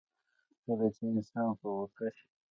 کله چې انسان په غوسه شي.